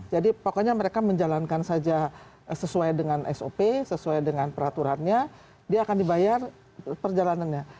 jadi pokoknya mereka menjalankan saja sesuai dengan sop sesuai dengan peraturannya dia akan dibayar perjalanannya